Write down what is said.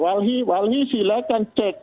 walhi walhi silahkan cek